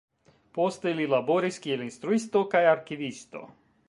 Poste li laboris kiel instruisto kaj arkivisto.